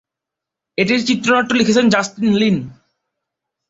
এটির চিত্রনাট্য লিখেছেন জাস্টিন লিন।